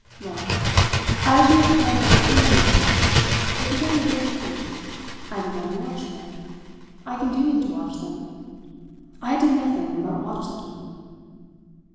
"Well, as you had planted the theory in me, it began to bear fruit. I began to watch them. I continued to watch them. I did nothing but watch them."